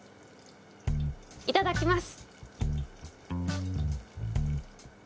いただきます。